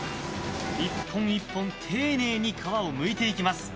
１本１本丁寧に皮をむいていきます。